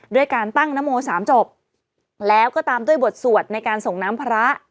ด้วยการตั้งนโมสามจบแล้วก็ตามด้วยบทสวดในการส่งน้ำพระ